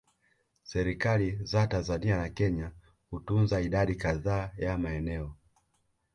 Serikali za Tanzania na Kenya hutunza idadi kadhaa ya maeneo